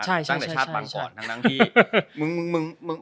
ตั้งแต่ชาติบังก่อนทั้งที่มึง